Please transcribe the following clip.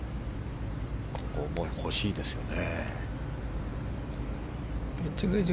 ここも欲しいですよね。